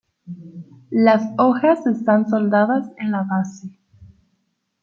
Las hojas están soldadas en la base.